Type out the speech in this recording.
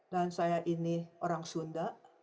dan saya ini orang sunda